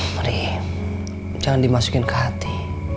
mari jangan dimasukin ke hati